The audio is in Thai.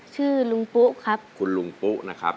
ชื่อลุงปุ๊ครับคุณลุงปุ๊นะครับ